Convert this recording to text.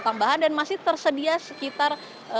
tambahan dan masih tersedia sekitar